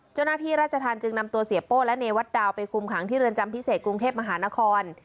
เจ้าหน้าที่ราชธรรมจึงนำตัวเสียโป้และเนวัดดาวไปคุมขังที่เรือนจำพิเศษกรุงเทพมหานคร